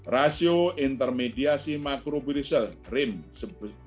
rasio intermediasi makrobilisial rim sebesar